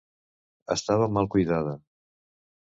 Estava mal cuidada.